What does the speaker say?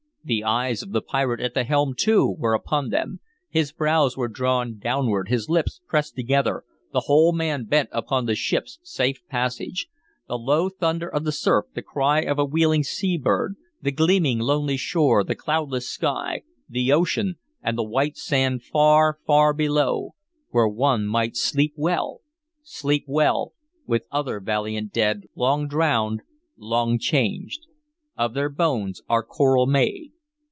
The eyes of the pirate at the helm, too, were upon them; his brows were drawn downward, his lips pressed together, the whole man bent upon the ship's safe passage.... The low thunder of the surf, the cry of a wheeling sea bird, the gleaming lonely shore, the cloudless sky, the ocean, and the white sand far, far below, where one might sleep well, sleep well, with other valiant dead, long drowned, long changed. "Of their bones are coral made."